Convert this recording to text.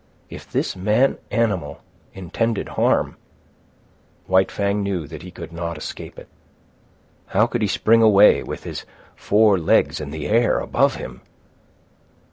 If this man animal intended harm, White Fang knew that he could not escape it. How could he spring away with his four legs in the air above him?